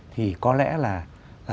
thì có lẽ là